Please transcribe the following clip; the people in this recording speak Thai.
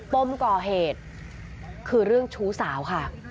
ปมก่อเหตุคือเรื่องชู้สาวค่ะ